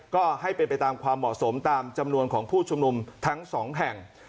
ก็ให้เป็นไปตามความเหมาะสมตามจำนวนของผู้ชุมนุมทั้งสองแห่ง